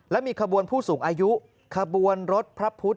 และมีขบวนผู้สูงอายุขบวนรถพระพุทธ